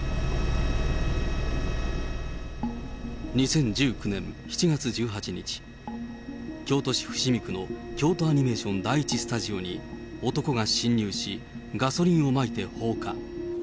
２０１９年７月１８日、京都市伏見区の京都アニメーション第１スタジオに男が侵入し、ガソリンをまいて放火。